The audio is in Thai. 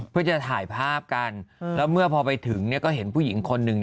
เพื่อจะถ่ายภาพกันแล้วเมื่อพอไปถึงก็เห็นผู้หญิงคนหนึ่ง